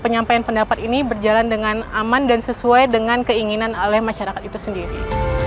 penyampaian pendapat ini berjalan dengan aman dan sesuai dengan keinginan oleh masyarakat itu sendiri